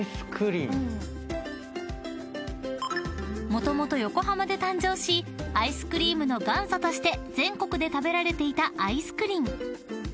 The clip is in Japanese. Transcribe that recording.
［もともと横浜で誕生しアイスクリームの元祖として全国で食べられていたアイスクリン］